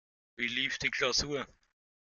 Wie lief die Klausur?